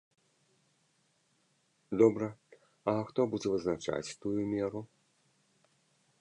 Добра, а хто будзе вызначаць тую меру?